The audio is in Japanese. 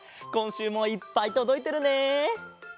こんしゅうもいっぱいとどいてるね！